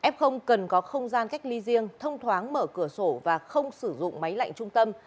f cần có không gian cách ly riêng thông thoáng mở cửa sổ và không sử dụng máy lạnh trung tâm